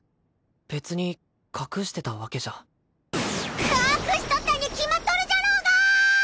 別に隠してたわけじゃ隠しとったに決まっとるじゃろうが！